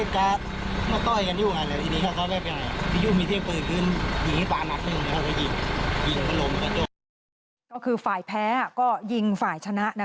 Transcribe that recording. ก็คือฝ่ายแพ้ก็ยิงฝ่ายชนะ